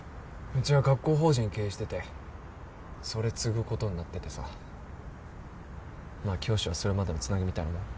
うちは学校法人経営しててそれ継ぐことになっててさまあ教師はそれまでのつなぎみたいなもん。